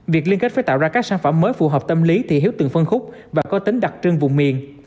việc liên kết phải tạo ra các sản phẩm mới phù hợp tâm lý thị hiếu từng phân khúc và có tính đặc trưng vùng miền